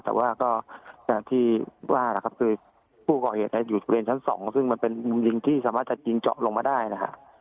แต่ว่าก็อย่างที่ว่านะครับคือผู้ก่อเหตุอยู่บริเวณชั้น๒ซึ่งมันเป็นลิงที่สามารถจะยิงเจาะลงมาได้นะครับ